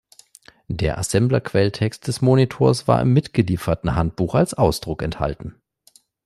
Der Assembler-Quelltext des Monitors war im mitgelieferten Handbuch als Ausdruck enthalten.